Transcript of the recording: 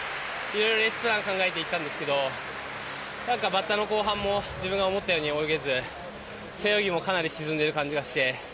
いろいろレースプランを考えていったんですけどバッタの後半も自分が思ったように泳げず背泳ぎもかなり沈んでいる感じがして。